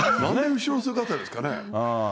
後ろ姿ですからね。